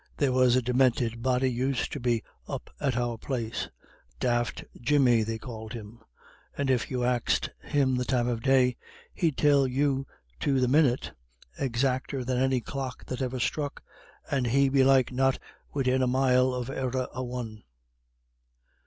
"There was a deminted body used to be up at our place Daft Jimmy they called him and if you axed him the time of day he'd tell you to the minyit, exacter than any clock that ever sthruck, and he belike not widin a mile of e'er a one."